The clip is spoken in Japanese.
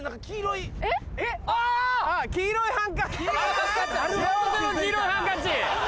黄色いハンカチ！